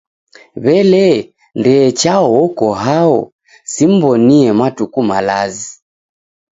Wele Ndee Chao oko hao? Simw'onie matuku malazi.